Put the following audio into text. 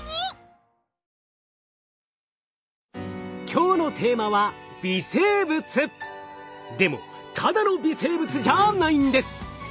今日のテーマはでもただの微生物じゃないんです！